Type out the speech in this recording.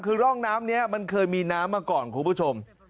คือร่องน้ำนี้มันเคยมีน้ำมาก่อนคุณผู้ชม